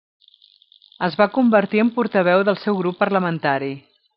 Es va convertir en portaveu del seu grup parlamentari.